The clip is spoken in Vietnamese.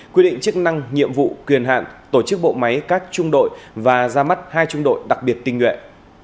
quy định chức năng nhiệm vụ quyền hạn tổ chức bộ máy các trung đội và ra mắt hai trung đội đặc biệt tinh nguyện